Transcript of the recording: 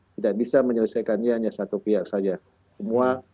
tidak bisa menyelesaikannya hanya satu pihak saja semua